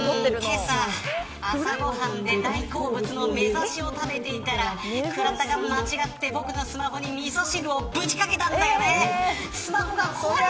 けさ、朝ご飯で大好物のめざしを食べていたら倉田が間違って僕のスマホにみそ汁を、ぶちかけたんだよね。